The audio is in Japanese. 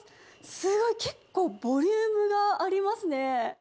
すごい、結構ボリュームがありますね。